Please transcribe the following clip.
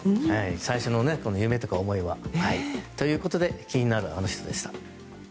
最初の夢とか思いは。ということで気になるアノ人でした。